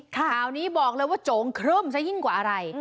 ข่าวนี้บอกเลยว่าโจงครึ่มซะยิ่งกว่าอะไร